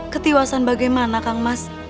ketiwasan bagaimana kang mas